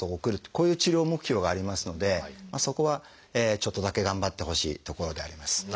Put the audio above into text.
こういう治療目標がありますのでそこはちょっとだけ頑張ってほしいところではあります。